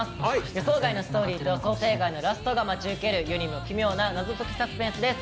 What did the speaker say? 予想外のストーリーと想定外のラストが待ち受ける世にも奇妙な謎解きサスペンスです。